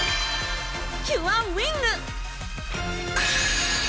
キュアウィング！